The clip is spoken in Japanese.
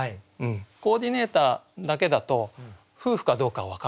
「コーディネーター」だけだと夫婦かどうか分からない。